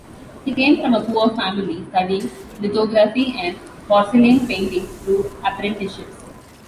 He came from a poor family, studying lithography and porcelain painting through apprenticeships.